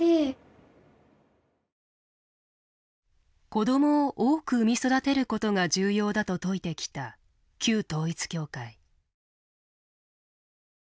子供を多く産み育てることが重要だと説いてきた旧統一教会。